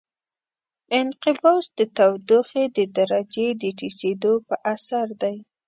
انقباض د تودوخې د درجې د ټیټېدو په اثر دی.